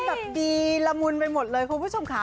แบบดีละมุนไปหมดเลยคุณผู้ชมค่ะ